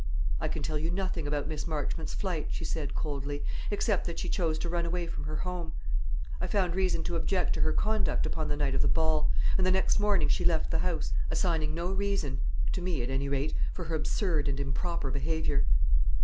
"I can tell you nothing about Miss Marchmont's flight," she said, coldly, "except that she chose to run away from her home. I found reason to object to her conduct upon the night of the ball; and the next morning she left the house, assigning no reason to me, at any rate for her absurd and improper behaviour."